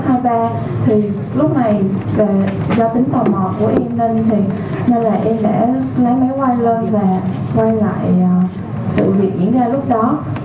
thì lúc này là do tính tò mò của em nên là em đã lá máy quay lên và quay lại sự việc diễn ra lúc đó